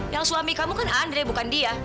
yang suami kamu kan andre bukan dia